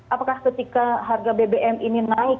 apakah ketika harga bbm ini naik